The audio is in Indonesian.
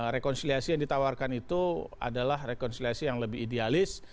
rekonsiliasi yang ditawarkan itu adalah rekonsiliasi yang lebih idealis